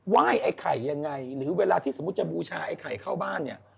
ไอ้ไข่ยังไงหรือเวลาที่สมมุติจะบูชาไอ้ไข่เข้าบ้านเนี่ย